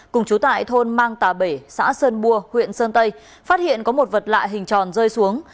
cùng chú tại thôn mang tà bể xã sơn bua huyện sơn tây phát hiện có một vật lạ hình tròn rơi xuống